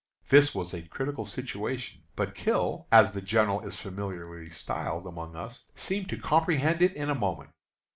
This was a critical situation; but "Kil" (as the general is familiarly styled among us) seemed to comprehend it in a moment.